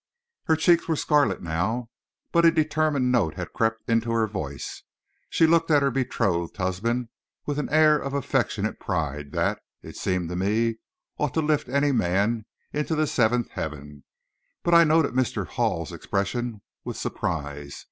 Her cheeks were scarlet now, but a determined note had crept into her voice, and she looked at her betrothed husband with an air of affectionate pride that, it seemed to me, ought to lift any man into the seventh heaven. But I noted Mr. Hall's expression with surprise.